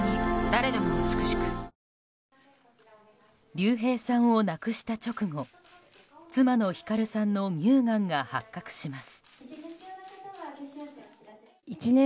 竜兵さんを亡くした直後妻の光さんの乳がんが発覚します。